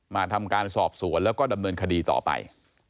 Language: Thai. มาทำการสอบสวนแล้วก็ดำเนินคดีต่อไป